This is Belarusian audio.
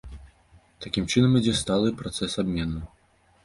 Такім чынам, ідзе сталы працэс абмену.